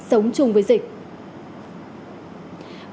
sống chung với dịch